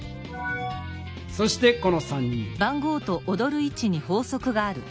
そしてこの３人。